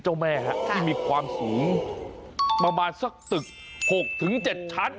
โห